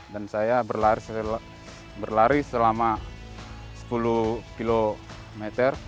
dan saya berlari selama sepuluh km